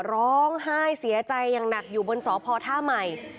ร้องไห้เสียใจอย่างหนักอยู่บนสพท่าใหม่